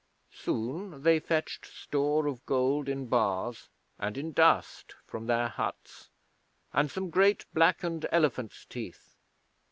Soon they fetched store of gold in bars and in dust from their huts, and some great blackened elephants' teeth.